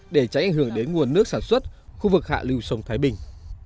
để tránh ảnh hưởng đến nguồn nước sản xuất khu vực hạ lưu sông thái bình